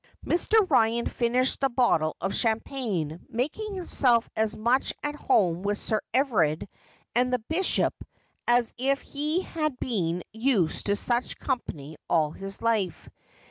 Mr. Ryan finished his bottle of champagne, making himself as much at home with Sir Everard and the bishop as if he had been used to such company all his life.